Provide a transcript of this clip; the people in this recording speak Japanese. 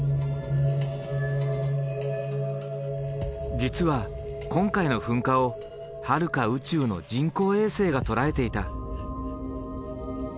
実は今回の噴火をはるか宇宙の人工衛星が捉えていた。